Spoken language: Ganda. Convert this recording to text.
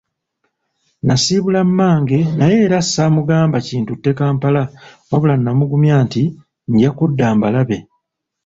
Nasiibula mmange naye era ssaamugamba kintutte Kampala wabula namugumya nti nja kudda mbalabe.